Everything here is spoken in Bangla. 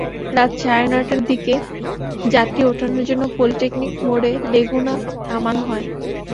রাত সাড়ে নয়টার দিকে যাত্রী ওঠানোর জন্য পলিটেকনিক মোড়ে লেগুনা থামানো হয়।